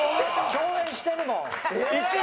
共演してるもん。